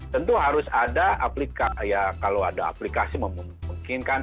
tentu harus ada aplikasi memungkinkan